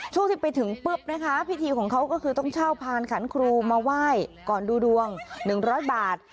ช่วงที่ไปถึงปุ๊บนะคะพิธีของเขาก็คือต้องเช่าพานขันครูมาไหว้ก่อนดูดวง๑๐๐บาท